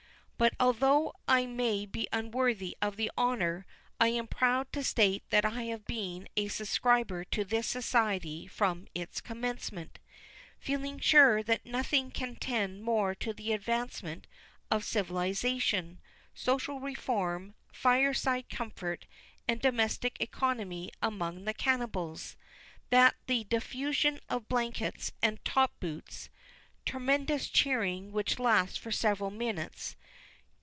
But, although I may be unworthy of the honour, I am proud to state that I have been a subscriber to this society from its commencement; feeling sure that nothing can tend more to the advancement of civilization, social reform, fireside comfort, and domestic economy among the cannibals, than the diffusion of blankets and top boots. (Tremendous cheering, which lasts for several minutes.)